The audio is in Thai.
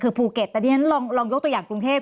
คือภูเก็ตแต่ที่ฉันลองยกตัวอย่างกรุงเทพ